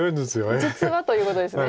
実はということですね。